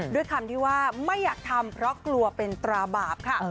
ด้วยคำที่ว่าไม่อยากทำเพราะกลัวเป็นตราบาปค่ะ